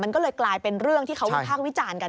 มันก็เลยกลายเป็นเรื่องที่เขาวิพากษ์วิจารณ์กัน